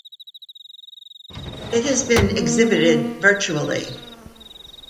It has also been exhibited virtually.